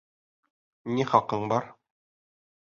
Ни хаҡың бар?